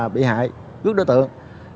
bị hại trước đối tượng